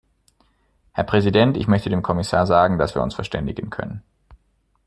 Herr Präsident, ich möchte dem Kommissar sagen, dass wir uns verständigen können.